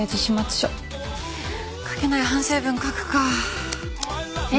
書けない反省文書くか。